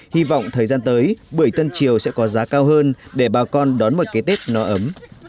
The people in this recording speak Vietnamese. hy vọng thời gian tới bưởi tân triều sẽ có giá cao hơn để bà con đón một cái tết no ấm